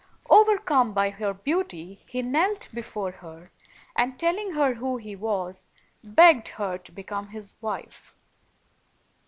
Overcome by her beauty, he knelt before her, and, telling her who he was, begged her to become his wife.